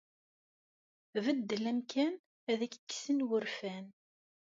Beddel amkan ad ak-kksen wurfan.